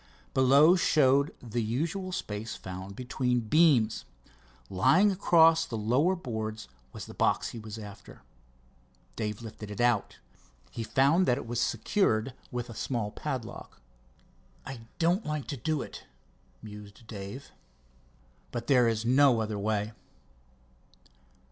Below showed the usual space found between beams. Lying across the lower boards was the box he was after. Dave lifted it out. He found that it was secured with a small padlock. "I don't like to do it," mused Dave, "but there is no other way."